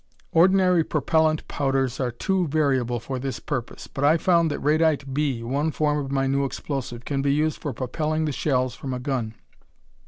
"Ordinary propellant powders are too variable for this purpose, but I found that radite B, one form of my new explosive, can be used for propelling the shells from a gun.